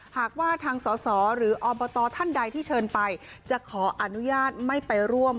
หากว่าทางสอสอหรืออบตท่านใดที่เชิญไปจะขออนุญาตไม่ไปร่วม